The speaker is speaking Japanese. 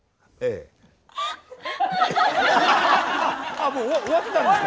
あもう終わってたんですか？